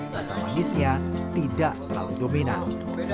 rasa manisnya tidak terlalu dominan